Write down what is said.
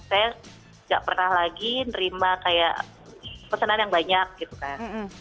saya nggak pernah lagi nerima kayak pesanan yang banyak gitu kan